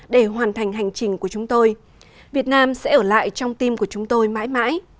để hoàn thành hành trình của chúng tôi việt nam sẽ ở lại trong tim của chúng tôi mãi mãi